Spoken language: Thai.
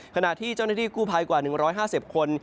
ขณะที่เจ้าหน้าที่กู้ภัยกว่า๑๕๐คน